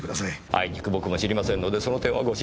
あいにく僕も知りませんのでその点はご心配なく。